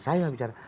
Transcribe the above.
saya yang bicara